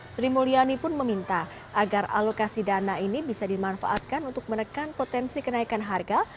sri mulyani pun meminta agar alokasi dana ini bisa dimanfaatkan untuk menekan potensi kenaikan harga